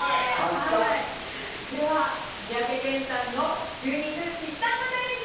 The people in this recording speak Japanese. では、三宅健さんの牛肉ぴったんこチャレンジ